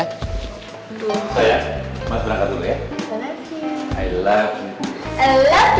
sayang mas berangkat dulu ya